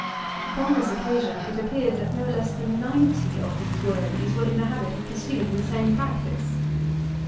Upon this occasion, it appeared that no less than ninety of these worthies were in the habit of pursuing the same practices.